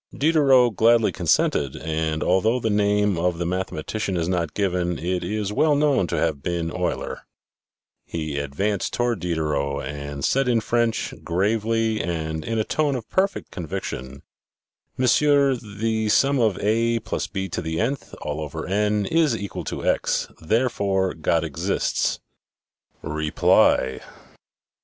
Diderot gladly consented, and although the name of the mathematician is not given, it is well known to have been Euler. He advanced toward Diderot, and said in French, gravely, and in a tone of perfect conviction :" Monsieur, THE FOURTH DIMENSION 1 19 =*, therefore, God exists; reply!"